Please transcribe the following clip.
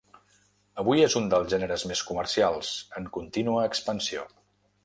Avui és un dels gèneres més comercials, en contínua expansió.